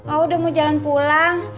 oh udah mau jalan pulang